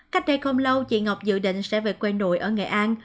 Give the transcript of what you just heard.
cách đây không lâu chị ngọc dự định sẽ về quê nội ở nghệ an